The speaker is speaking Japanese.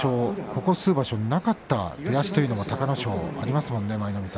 ここ数場所なかった出足というのも隆の勝、ありますものね。